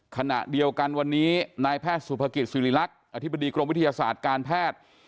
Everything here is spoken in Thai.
ขณะเดียวกันวันนี้นายแพทย์สุภกิจศิริรักษ์อธิบดีกรมวิทยาศาสตร์การแพทย์